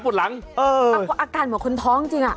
เออใช่แล้วอาการเหมือนคนท้องจริง